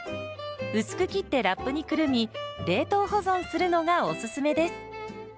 薄く切ってラップにくるみ冷凍保存するのがおすすめです。